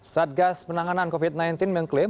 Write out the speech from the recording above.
satgas penanganan covid sembilan belas mengklaim